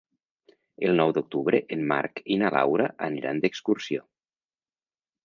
El nou d'octubre en Marc i na Laura aniran d'excursió.